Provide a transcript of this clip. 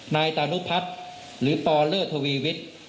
นายตานุพัฒน์หรือปอเลอร์ทวีวิทย์